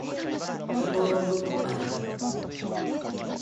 ハローグッバイ